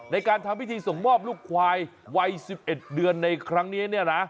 ในการทำพิธีส่งมอบลูกควายวัย๑๑เดือนในครั้งนี้เนี่ยนะ